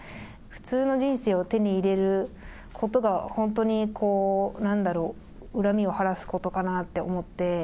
普通の人生を手に入れることが、本当に、なんだろう、恨みを晴らすことかなと思って。